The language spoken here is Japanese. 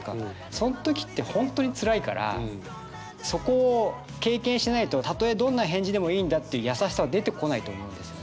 そん時って本当につらいからそこを経験しないと「たとえどんな返事でもいいんだ」っていう優しさは出てこないと思うんですよね。